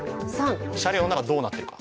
車両の中、どうなっているか。